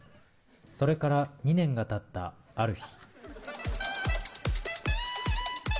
それから２年がたったある日。